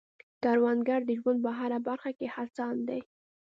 کروندګر د ژوند په هره برخه کې هڅاند دی